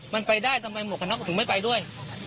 มันไปได้ทำไมหมดคณะก็ถึงไม่ไปด้วย